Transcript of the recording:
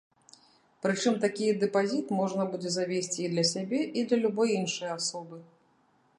Прычым такі дэпазіт можна будзе завесці і для сябе, і для любой іншай асобы.